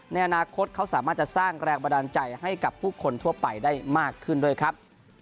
ในอนาคตเขาสามารถจะสร้างแรงบันดาลใจให้กับผู้คนทั่วไปได้มากขึ้นด้วยครับ